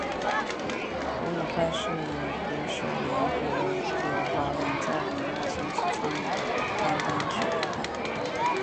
伍柳派是伍守阳和柳华阳在明末清初创立的内丹丹法流派。